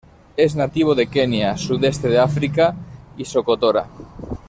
Es nativo de Kenia, sudeste de África y Socotora.